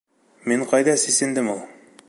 Мин ҡайҙа сисендем ул?